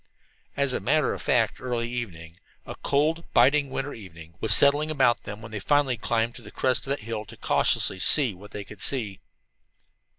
As a matter of fact, early evening a cold, biting winter evening was settling about them when they finally climbed to the crest of that hill to cautiously "see what they could see."